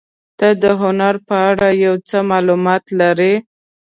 ته د هنر په اړه یو څه معلومات لرې؟